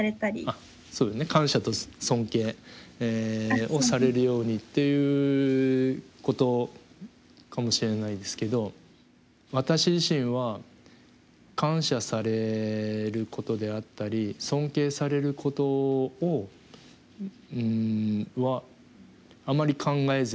あっそうだね感謝と尊敬をされるようにっていうことかもしれないですけど私自身は感謝されることであったり尊敬されることはあまり考えずに。